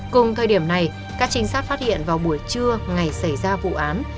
cùng thời điểm này các trinh sát phát hiện vào buổi trưa ngày xảy ra vụ án